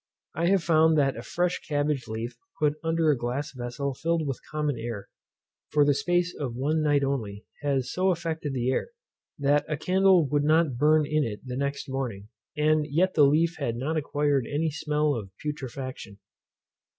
I have found that a fresh cabbage leaf, put under a glass vessel filled with common air, for the space of one night only, has so affected the air, that a candle would not burn in it the next morning, and yet the leaf had not acquired any smell of putrefaction.